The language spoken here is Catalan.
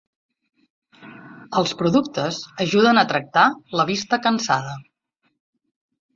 Els productes ajuden a tractar la vista cansada.